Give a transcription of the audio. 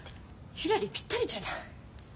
ひらりぴったりじゃない。